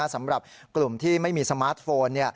สำหรับกลุ่มที่ไม่มีสมาร์ทโฟน